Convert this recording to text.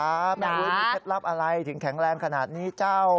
ไม่รู้มีเคล็ดลับอะไรถึงแข็งแรงขนาดนี้เจ้า